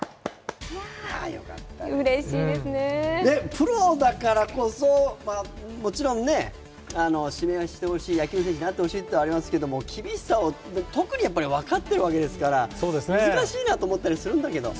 プロだからこそ、もちろん指名はしてほしい、野球選手になってほしいというのはありますけど、厳しさを特に分かっているわけですから難しいなと思ったりするんだけど。